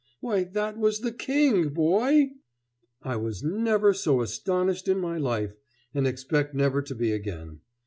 Why, that was the King, boy!" I was never so astonished in my life and expect never to be again.